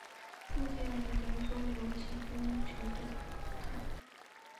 目前为德州游骑兵队球探。